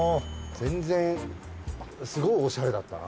全然すごいおしゃれだったな。